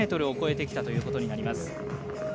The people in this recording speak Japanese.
２５ｍを越えてきたということになります